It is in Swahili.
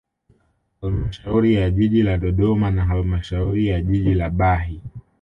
Halamashauri ya jiji la Dodoma na halmashauri ya jiji la Bahi